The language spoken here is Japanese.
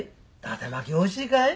だて巻きおいしいかい。